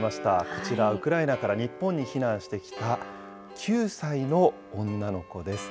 こちら、ウクライナから日本に避難してきた９歳の女の子です。